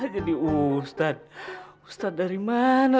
jadi ustadz ustadz dari mana